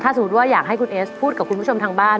สมมุติว่าอยากให้คุณเอสพูดกับคุณผู้ชมทางบ้าน